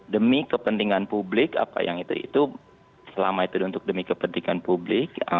demi kepentingan publik apa yang itu itu selama itu untuk demi kepentingan publik